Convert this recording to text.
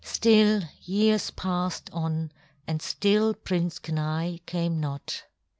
Still years passed on, and still Prince Kenai came not.